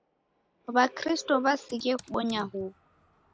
W'akristo w'asighie kubonya huw'o.